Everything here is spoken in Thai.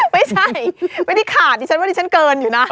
ไม่ใช่ไม่ได้ขาดดิฉันว่าดิฉันเกินอยู่นะ